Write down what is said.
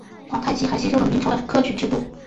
皇太极还吸收了明朝的科举制度。